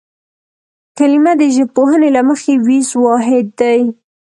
کلمه د ژبپوهنې له مخې وییز واحد دی